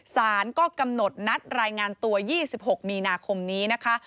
สารก็กำหนดนัดรายงานตัว๒๖มีนาคมนี้นะคะ